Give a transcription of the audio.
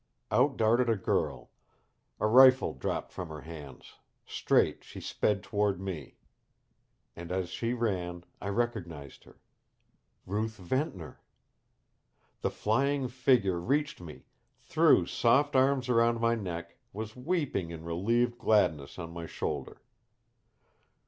Out darted a girl. A rifle dropped from her hands. Straight she sped toward me. And as she ran I recognized her. Ruth Ventnor! The flying figure reached me, threw soft arms around my neck, was weeping in relieved gladness on my shoulder.